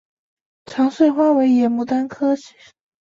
长穗花为野牡丹科长穗花属下的一个种。